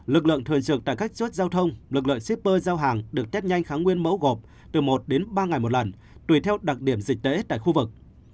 lực lượng thường trực tại các chốt giao thông lực lượng shipper giao hàng được test nhanh kháng nguyên mẫu gộp từ một đến ba ngày một lần tùy theo đặc điểm dịch tễ tại khu vực